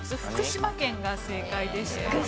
福島県が正解でした。